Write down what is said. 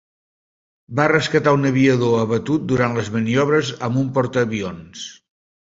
Va rescatar un aviador abatut durant les maniobres amb un portaavions.